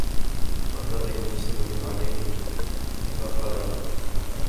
وَالْبَغْيَ مُسْتَوْلٍ عَلَيْهِ إذَا قَدَرَ